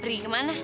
pergi ke mana